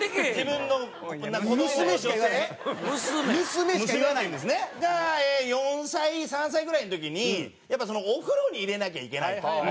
「娘」しか言わないのよ。が４歳３歳ぐらいの時にやっぱりお風呂に入れなきゃいけないと。